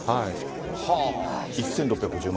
はー、１６５０万。